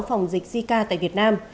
phòng dịch zika tại việt nam